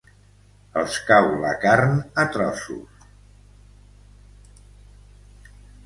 Els cau la carn a trossos.